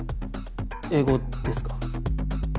英語ですか？